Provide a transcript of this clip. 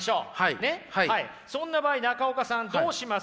そんな場合中岡さんどうします？